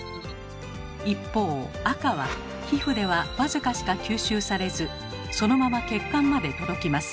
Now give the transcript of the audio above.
一方赤は皮膚では僅かしか吸収されずそのまま血管まで届きます。